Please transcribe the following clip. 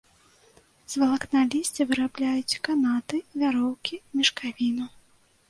З валакна лісця вырабляюць канаты, вяроўкі, мешкавіну.